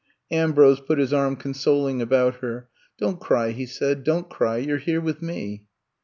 Ambrose put his arm consoling about her. ^* Don't cry," he said. Don't cry, you 're here with me."